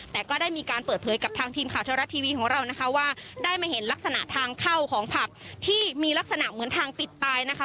แต่ก็ได้มีการเปิดเผยกับทางทีมข่าวเทวรัฐทีวีของเรานะคะว่าได้มาเห็นลักษณะทางเข้าของผับที่มีลักษณะเหมือนทางปิดตายนะคะ